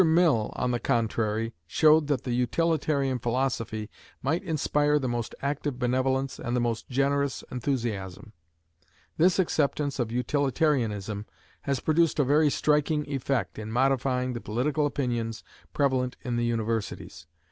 Mill, on the contrary, showed that the utilitarian philosophy might inspire the most active benevolence and the most generous enthusiasm. This acceptance of utilitarianism has produced a very striking effect in modifying the political opinions prevalent in the universities.